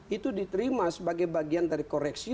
itu diterima sebagai bagian dari koreksi